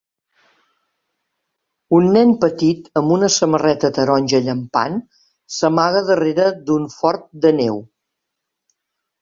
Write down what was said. Un nen petit amb una samarreta taronja llampant s'amaga darrere d'un fort de neu.